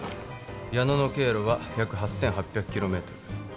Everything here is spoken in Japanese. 矢野の経路は約８，８００キロメートル。